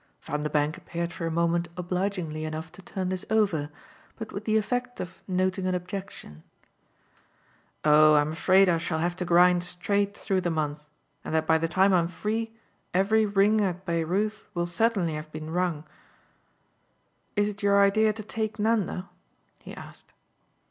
Vanderbank appeared for a moment obligingly enough to turn this over, but with the effect of noting an objection. "Oh I'm afraid I shall have to grind straight through the month and that by the time I'm free every Ring at Baireuth will certainly have been rung. Is it your idea to take Nanda?" he asked.